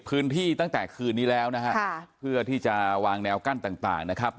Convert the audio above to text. พื้นที่ตั้งแต่คืนนี้แล้วนะฮะค่ะเพื่อที่จะวางแนวกั้นต่างต่างนะครับ